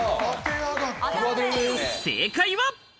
正解は。